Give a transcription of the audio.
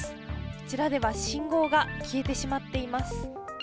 こちらでは信号が消えてしまっています。